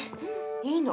いいの。